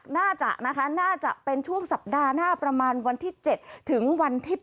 น่าจะนะคะน่าจะเป็นช่วงสัปดาห์หน้าประมาณวันที่๗ถึงวันที่๘